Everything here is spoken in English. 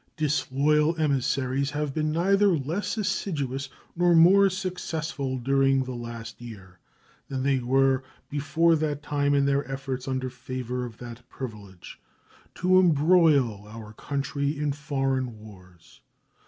Disloyal emissaries have been neither less assiduous nor more successful during the last year than they were before that time in their efforts under favor of that privilege, to embroil our country in foreign wars.